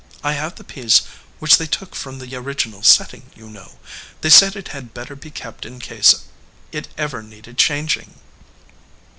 I have the piece which they took from the original setting, you know. They said it had better be kept in case it ever needed changing."